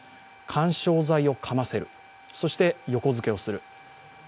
緩衝材をかませる、そして横付けをする。